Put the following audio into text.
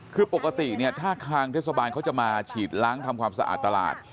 คือปกติเนี่ยถ้าทางเทศบาลเขาจะมาฉีดล้างทำความสะอาดตลาด